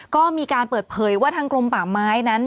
ก็มีการเปิดเผยว่าทางกรมป่าไม้นั้น